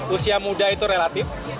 usia muda itu relatif